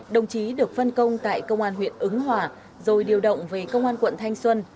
đồng chí được phân công tại công an huyện ứng hòa rồi điều động về công an quận thanh xuân